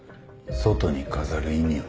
外に飾る意味は？